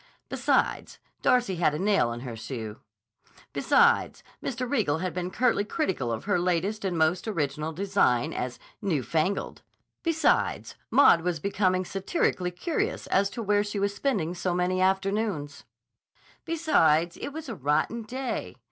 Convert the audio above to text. Besides, Darcy had a nail in her shoe. Besides, Mr. Riegel had been curtly critical of her latest and most original design as "new fangled." Besides, Maud was becoming satirically curious as to where she was spending so many afternoons. Besides, it was a rotten day.